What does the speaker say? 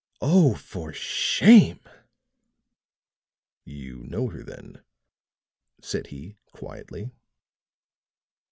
"Oh, for shame!" "You know her then?" said he quietly.